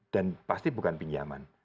dan pasti bukan pinjaman